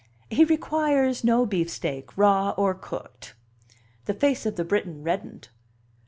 "He requires no beefsteak, raw or cooked." The face of the Briton reddened.